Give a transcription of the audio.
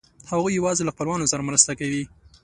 هغوی یواځې له خپلوانو سره مرسته کوي.